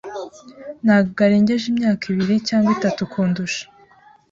Ntabwo arengeje imyaka ibiri cyangwa itatu kundusha.